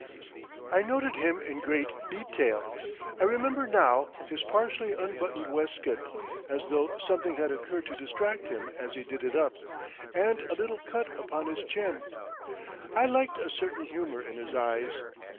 I noted him in great detail. I remember now his partially unbuttoned waistcoat, as though something had occurred to distract him as he did it up, and a little cut upon his chin. I liked a certain humour in his eyes.